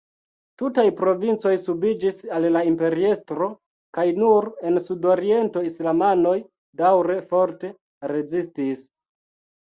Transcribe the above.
Tutaj provincoj subiĝis al la imperiestro kaj nur en sud-oriento islamanoj daŭre forte rezistis.